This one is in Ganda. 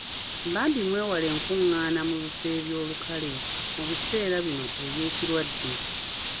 Bambi mwewale enkungaana n'ebifo by'olukale mu biseera bino eby'ekirwadde.